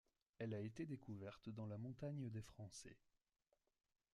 Elle a été découverte dans la montagne des Français.